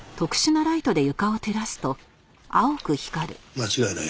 間違いない。